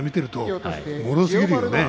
もろすぎるよね。